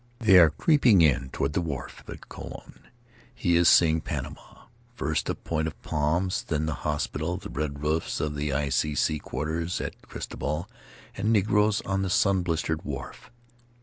They are creeping in toward the wharf at Colon. He is seeing Panama! First a point of palms, then the hospital, the red roofs of the I. C. C. quarters at Cristobal, and negroes on the sun blistered wharf.